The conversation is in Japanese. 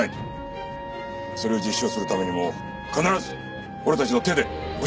それを実証するためにも必ず俺たちの手でホシを挙げる！